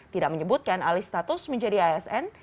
tidak menyebutkan alih status menjadi asn